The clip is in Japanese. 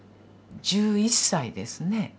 １１歳ですね。